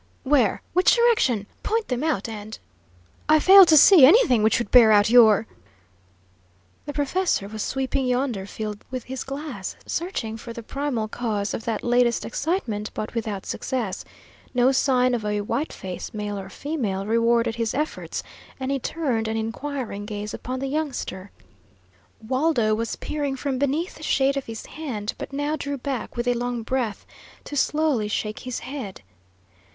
"Where? Which direction? Point them out, and I fail to see anything which would bear out your " The professor was sweeping yonder field with his glass, searching for the primal cause of that latest excitement, but without success. No sign of a white face, male or female, rewarded his efforts, and he turned an inquiring gaze upon the youngster. Waldo was peering from beneath the shade of his hand, but now drew back with a long breath, to slowly shake his head.